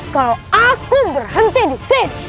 kalau aku berhenti disini